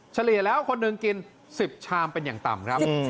เฉลี่ยแล้วคนหนึ่งกิน๑๐ชามเป็นอย่างต่ำครับ